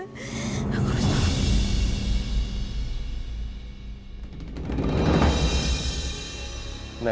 aku harus tahu